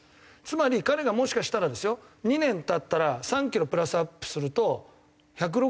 つまり彼がもしかしたらですよ２年経ったら３キロプラスアップすると１６７キロになるわけですよ。